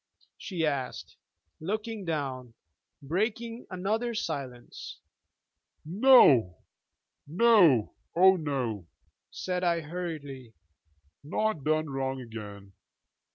she asked, looking down, breaking another silence. 'No, no, oh no,' said I hurriedly: 'not done wrong again.